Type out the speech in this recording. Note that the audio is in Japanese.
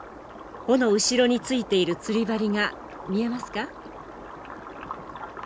尾の後ろについている釣り針が見えますか？